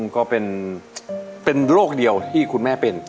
ก็เป็นโรคเดียวที่คุณแม่เป็น